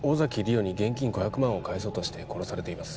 桜に現金５００万を返そうとして殺されています